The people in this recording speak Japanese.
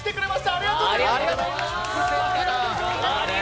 ありがとうございます。